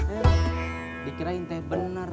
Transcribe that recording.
eh dikirain teh bener